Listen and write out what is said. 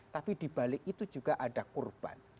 tapi dibalik itu juga ada kurban